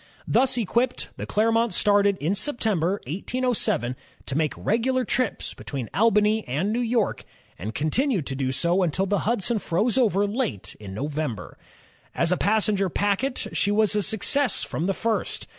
Thus equipped, the Clermont started in September, 1807, to make regular trips between Albany and New York, and continued to do so until the Hudson froze over late in November. As a passenger packet, she was a success from the first.